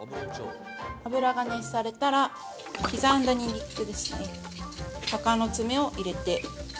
油が熱されたら、刻んだにんにくですね、鷹の爪を入れて。